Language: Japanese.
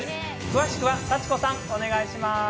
詳しくは幸子さん、お願いします。